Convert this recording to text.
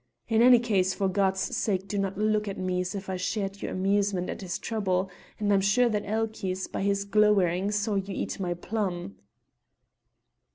In any case, for God's sake do not look at me as if I shared your amusement at his trouble. And I'm sure that Elchies by his glowering saw you eat my plum."